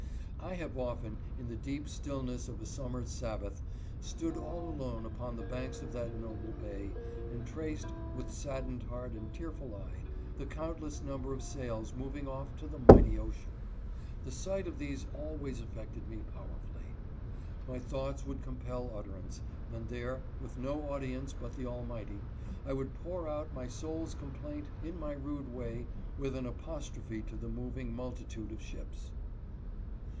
I have often, in the deep stillness of a summer's Sabbath, stood all alone upon the banks of that noble bay, and traced, with saddened heart and tearful eye, the countless number of sails moving off to the mighty ocean. The sight of these always affected me powerfully. My thoughts would compel utterance ; and there, with no audience but the Almighty, I would pour out my soul's complaint in my rude way with an apostrophe to the moving multitude of ships.